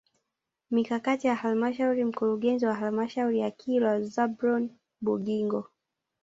Mikakati ya halmashauri Mkurugenzi wa Halmashauri ya Kilwa Zablon Bugingo